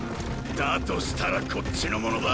だとしたらこっちのものだ！